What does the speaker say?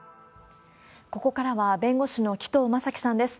ここからは、弁護士の紀藤正樹さんです。